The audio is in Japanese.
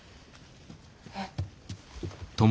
えっ。